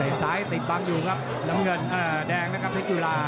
แต่ซ้ายติดบังลำเงินแดงนะครับเพชุลา